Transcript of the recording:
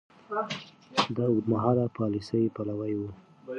ده د اوږدمهاله پاليسۍ پلوی و.